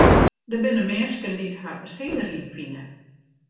Der binne minsken dy't har bestean deryn fine.